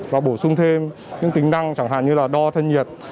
và bổ sung thêm những tính năng chẳng hạn như là đo thân nhiệt